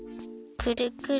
くるくる！